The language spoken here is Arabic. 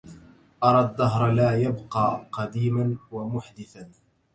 أرى الدهر لا يبقي قديما ومحدثا